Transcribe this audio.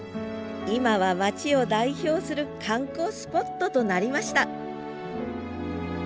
今は町を代表する観光スポットとなりました